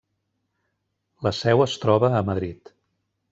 La seu es troba a Madrid.